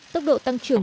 tốc độ tăng trưởng